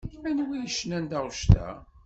Anwa yecnan taɣect-a?